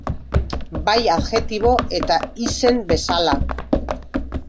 Bai adjektibo eta izen bezala.